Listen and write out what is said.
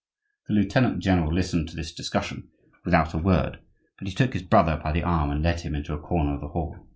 The lieutenant general listened to this discussion without a word, but he took his brother by the arm and led him into a corner of the hall.